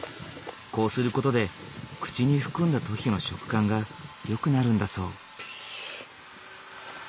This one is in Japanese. こうする事で口に含んだ時の食感がよくなるんだそう。